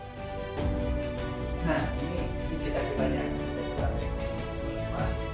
jika kita tidak bisa mencapai tujuan kita harus mencapai tujuan